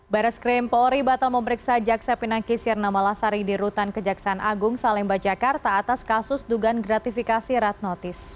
baris krim polri batal memeriksa jaksa pinangki sirna malasari di rutan kejaksaan agung salemba jakarta atas kasus dugaan gratifikasi rad notice